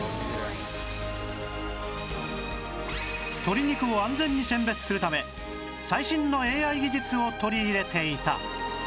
鶏肉を安全に選別するため最新の ＡＩ 技術を取り入れていた